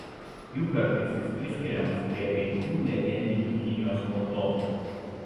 Ju kartais jis priskiriamas prie penkių legendinių Kinijos valdovų.